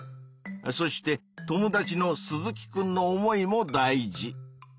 そして友達の鈴木くんの思いも大事。